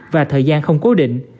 và thời gian không cố định